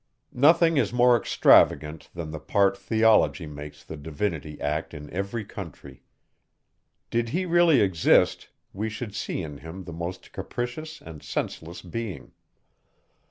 Nothing is more extravagant, than the part, theology makes the Divinity act in every country. Did he really exist, we should see in him the most capricious, and senseless being.